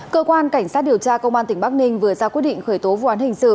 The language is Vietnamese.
cơ quan cảnh sát điều tra công an tỉnh bắc ninh vừa ra quyết định khởi tố vụ án hình sự